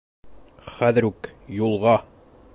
Хәҙер үк юлға!